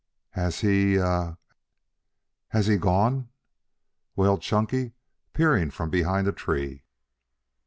"Has he ha ha has he gone?" wailed Chunky, peering from behind a tree.